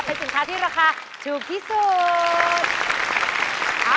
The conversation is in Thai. เป็นสินค้าที่ราคาถูกที่สุด